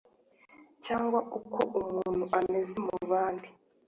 cyangwa uko umuntu ameze mu bandi